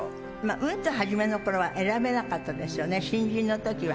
うんと初めのころは、選べなかったですよね、新人のときは。